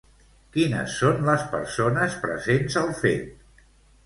Quines són les persones presents al fet?